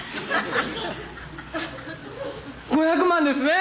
５００万ですね！